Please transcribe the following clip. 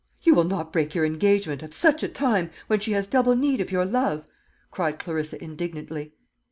"You will not break your engagement at such a time when she has double need of your love?" cried Clarissa indignantly.